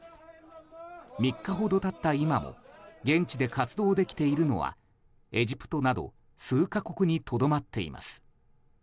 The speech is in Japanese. ３日ほど経った今も現地で活動できているのはエジプトなど数か国にとどまっています。